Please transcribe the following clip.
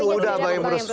kalau itu sudah pak imbrus